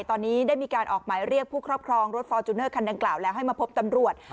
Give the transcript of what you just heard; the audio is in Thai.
ตอนนี้ได้มีการออกหมายเรียกผู้ครอบครองรถฟอร์จูเนอร์คันดังกล่าวแล้วให้มาพบตำรวจ